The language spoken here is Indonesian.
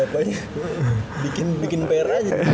bapaknya bikin pr aja